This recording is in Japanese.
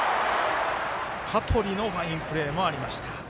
香取のファインプレーもありました。